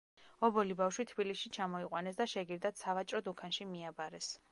ობოლი ბავშვი თბილისში ჩამოიყვანეს და შეგირდად სავაჭრო დუქანში მიაბარეს.